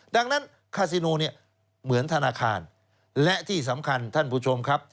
ดังนั้นคาซิโนเนี่ยเหมือนธนาคารและที่สำคัญท่านผู้ชมครับ